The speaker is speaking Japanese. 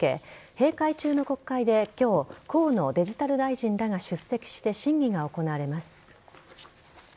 閉会中の国会で今日河野デジタル大臣らが出席して審議が行われます。